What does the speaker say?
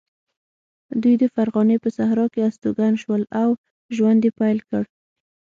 دوی د فرغانې په صحرا کې استوګن شول او ژوند یې پیل کړ.